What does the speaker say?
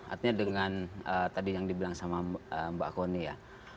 artinya dengan tadi yang dibilang sama mbak koni ya